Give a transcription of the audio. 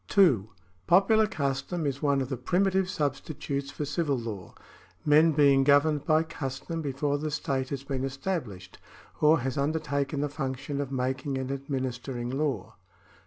(2) Popular custom is one of the primitive substitutes for civil law, men being governed by custom before the state has been established or has undertaken the function of making and administering law.